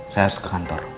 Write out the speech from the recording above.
saya harus ke kantor